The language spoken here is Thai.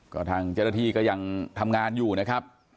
ก็ทางเจรฐีก็ยังทำงานอยู่นะครับ